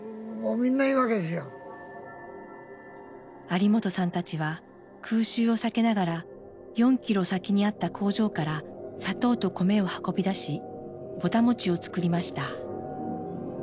有元さんたちは空襲を避けながら４キロ先にあった工場から砂糖と米を運び出しぼた餅を作りました。